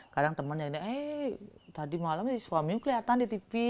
kadang temennya eh tadi malam suaminya keliatan di tv